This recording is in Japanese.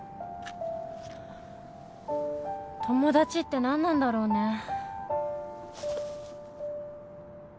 友達って何なんだろうね